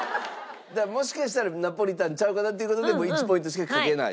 もしかしたらナポリタンちゃうかなっていう事でもう１ポイントしかかけない？